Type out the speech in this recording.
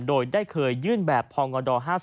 โดยได้เคยยื่นแบบพงด๕๐